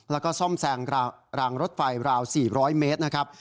แล้วก็ซ่อมแซมรางรถไฟราว๔๐๐เมตรนะครับ